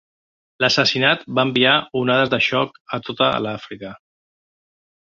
L'assassinat va enviar onades de xoc a tota l'Àfrica.